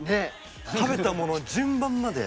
食べたものの順番まで。